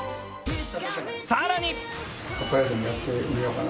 さらに